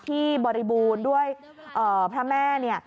บริบูรณ์ด้วยพระแม่เนี่ย